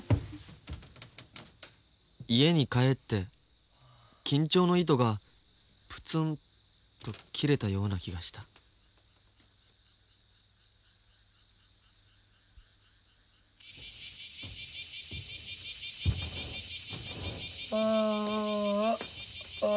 家に帰って緊張の糸がプツンと切れたような気がしたあああよう寝た。